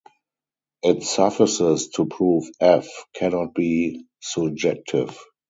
It suffices to prove "f" cannot be surjective.